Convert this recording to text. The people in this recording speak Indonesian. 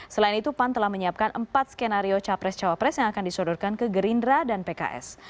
selain itu pan telah menyiapkan empat skenario capres cawapres yang akan disodorkan ke gerindra dan pks